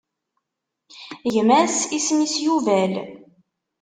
Gma-s isem-is Yubal.